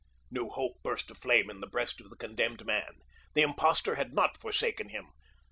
New hope burst aflame in the breast of the condemned man. The impostor had not forsaken him.